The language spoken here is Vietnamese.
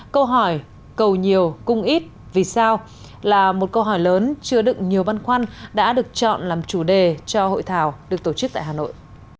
câu hỏi cầu nhiều cung ít vì sao là một câu hỏi lớn chứa đựng nhiều băn khoăn đã được chọn làm chủ đề cho hội thảo được tổ chức tại hà nội